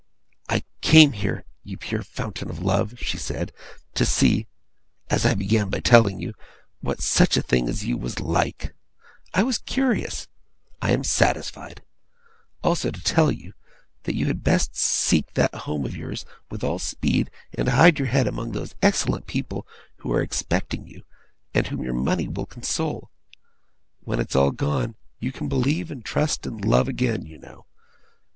'I came here, you pure fountain of love,' she said, 'to see as I began by telling you what such a thing as you was like. I was curious. I am satisfied. Also to tell you, that you had best seek that home of yours, with all speed, and hide your head among those excellent people who are expecting you, and whom your money will console. When it's all gone, you can believe, and trust, and love again, you know!